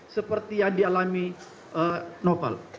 seperti yang dialami novel